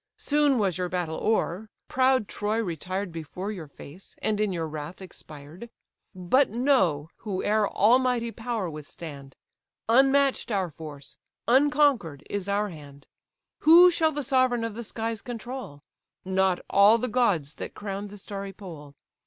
Soon was your battle o'er: proud Troy retired Before your face, and in your wrath expired. But know, whoe'er almighty power withstand! Unmatch'd our force, unconquer'd is our hand: Who shall the sovereign of the skies control? Not all the gods that crown the starry pole.